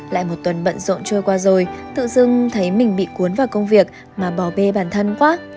lại một tuần bận rộn trôi qua rồi tự dưng thấy mình bị cuốn vào công việc mà bỏ bê bản thân quát